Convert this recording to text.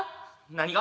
何が？